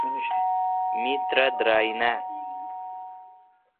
می ترہ درائ نان۔